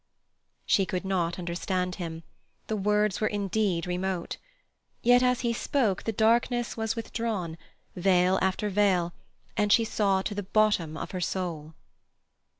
She could not understand him; the words were indeed remote. Yet as he spoke the darkness was withdrawn, veil after veil, and she saw to the bottom of her soul.